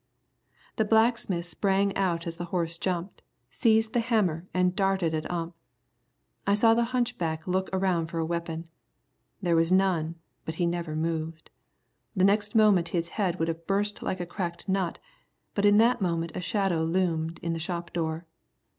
The blacksmith sprang out as the horse jumped, seized the hammer and darted at Ump. I saw the hunchback look around for a weapon. There was none, but he never moved. The next moment his head would have burst like a cracked nut, but in that moment a shadow loomed in the shop door.